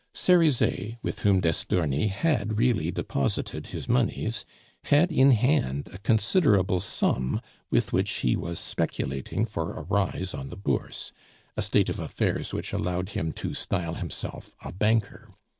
Cerizet, with whom d'Estourny had really deposited his moneys, had in hand a considerable sum with which he was speculating for a rise on the Bourse, a state of affairs which allowed him to style himself a banker.